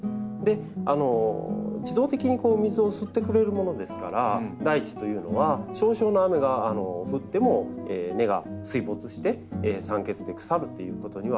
自動的に水を吸ってくれるものですから大地というのは少々の雨が降っても根が水没して酸欠で腐るということにはなりにくいんですね。